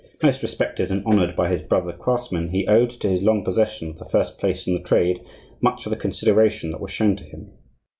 Most respected and honored by his brother craftsmen, he owed to his long possession of the first place in the trade much of the consideration that was shown to him.